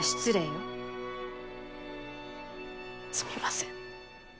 すみません。